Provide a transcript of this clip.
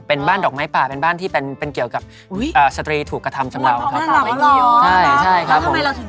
เป็นบ้านดอกไม้ป่าเป็นบ้านที่เป็นเกี่ยวกับสตรีถูกกระทำชำเลาครับใช่ใช่ครับผม